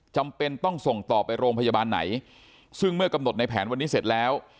จำเป็นต้องส่งต่อไปโรงพยาบาลไหนซึ่งเมื่อกำหนดในแผนวันนี้เสร็จแล้ว